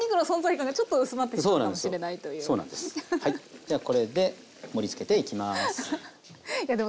じゃあこれで盛りつけていきます。